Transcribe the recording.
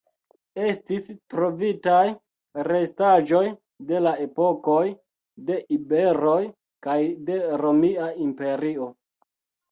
Estis trovitaj restaĵoj de la epokoj de iberoj kaj de Romia Imperio.